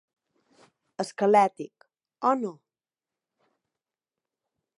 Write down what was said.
Esquelètic, o no?